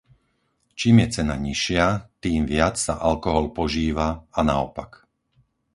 Čím je cena nižšia, tým viac sa alkohol požíva a naopak.